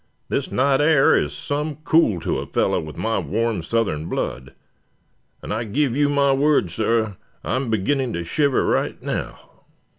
"This night air is some cool to a fellow with my warm Southern blood; and I give you my word, suh, I'm beginning to shiver right now."